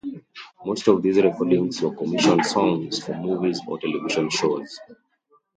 Most of these recordings were commissioned songs for movies or television shows.